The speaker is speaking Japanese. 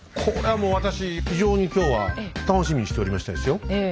これはもう私非常に今日は楽しみにしておりましたですよ。